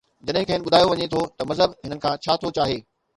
جڏهن کين ٻڌايو وڃي ٿو ته مذهب هنن کان ڇا ٿو چاهي.